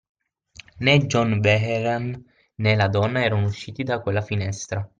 Né John Vehrehan, né la donna erano usciti da quella finestra.